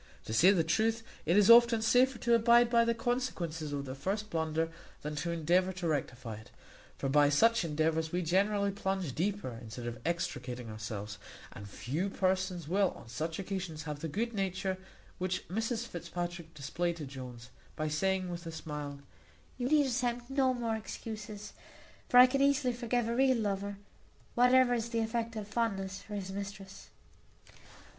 To say the truth, it is often safer to abide by the consequences of the first blunder than to endeavour to rectify it; for by such endeavours we generally plunge deeper instead of extricating ourselves; and few persons will on such occasions have the good nature which Mrs Fitzpatrick displayed to Jones, by saying, with a smile, "You need attempt no more excuses; for I can easily forgive a real lover, whatever is the effect of fondness for his mistress."